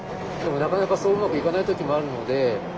でもなかなかそううまくいかない時もあるので。